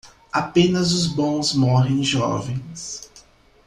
Apenas os bons morrem jovens.